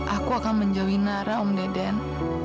aku akan menjauhi nara om deden